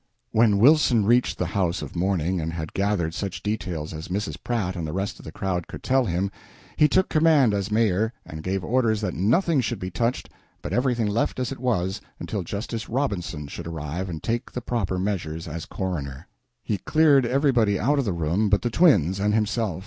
When Wilson reached the house of mourning and had gathered such details as Mrs. Pratt and the rest of the crowd could tell him, he took command as mayor, and gave orders that nothing should be touched, but everything left as it was until Justice Robinson should arrive and take the proper measures as coroner. He cleared everybody out of the room but the twins and himself.